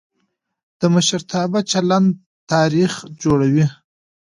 د مشرتابه چلند تاریخ جوړوي